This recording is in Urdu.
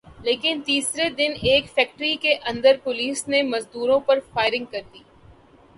لیکن تیسرے دن ایک فیکٹری کے اندر پولیس نے مزدوروں پر فائرنگ کر دی